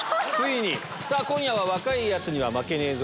今夜は若いヤツには負けねぇぞ！